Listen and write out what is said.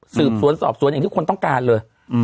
สืบสวนสอบสวนอย่างที่คนต้องการเลย